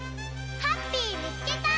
ハッピーみつけた！